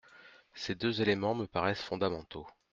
Ces deux éléments me paraissent fondamentaux.